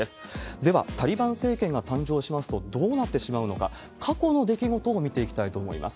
では、タリバン政権が誕生しますとどうなってしまうのか、過去の出来事を見ていきたいと思います。